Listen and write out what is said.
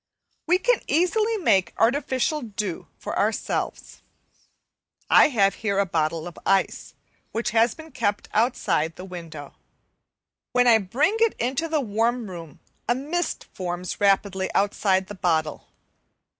We can easily make artificial dew for ourselves. I have here a bottle of ice which has been kept outside the window. When I bring it into the warm room a mist forms rapidly outside the bottle.